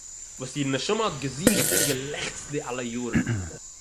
וואָס איר נשמה האָט געזוכט און געלעכצט די אַלע יאָרן